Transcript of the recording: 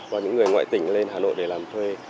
và những người ngoại tỉnh lên hà nội để làm thuê